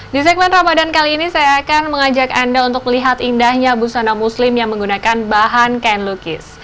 di segmen ramadan kali ini saya akan mengajak anda untuk melihat indahnya busana muslim yang menggunakan bahan kain lukis